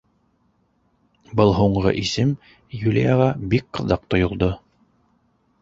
Был һуңғы исем Юлияға бик ҡыҙыҡ тойолдо.